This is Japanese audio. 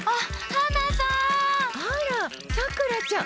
あら、さくらちゃん。